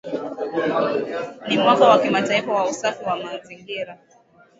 Ni mwaka wa Kimataifa wa Usafi wa Mazingira